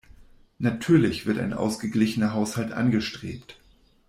Natürlich wird ein ausgeglichener Haushalt angestrebt.